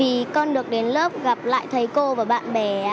vì con được đến lớp gặp lại thấy cô và bạn bè